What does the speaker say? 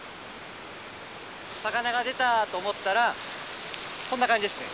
魚が出たと思ったらこんな感じですね。